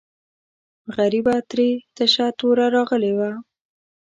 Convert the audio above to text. غریبه ترې تشه توره راغلې وه.